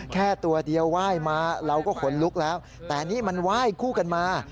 แค่ตัวเดียวไหว้มาเราก็ขนลุกแล้วแต่นี่มันไหว้คู่กันมา